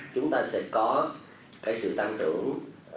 chúng ta sẽ có sự tăng trưởng